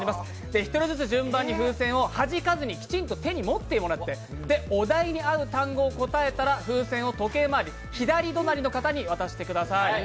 １人ずつ順番に風船をはじかずにきちんと手に持ってもらってお題にある単語を答えたら風船を時計回り、左隣の方に渡してください。